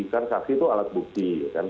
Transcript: kan saksi itu alat bukti